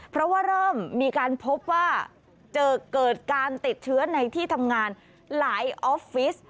เพราะว่าเริ่มมีการพบว่าเกิดการติดเชื้อในที่ทำงานหลายออฟฟิศ